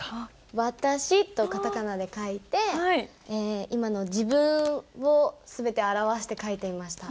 「ワタシ」と片仮名で書いて今の自分を全て表して書いてみました。